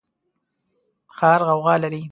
ښار غوغا لري